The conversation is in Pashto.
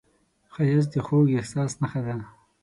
ښایست د خوږ احساس نښه ده